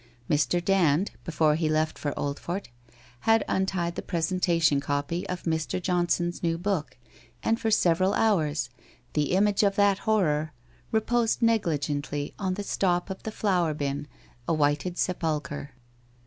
Mr. Dand, before he left for Oldfort, had untied the presentation copy of Mr. Johnson's new book, and for several hours 'The Image of that Horror' reposed negligently on the stop of the flour bin, a whited sepul chre.